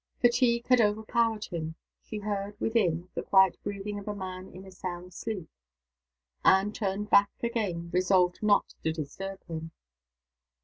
Fatigue had overpowered him; she heard, within, the quiet breathing of a man in a sound sleep. Anne turned back again resolved not to disturb him.